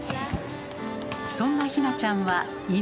そんなひなちゃんは今。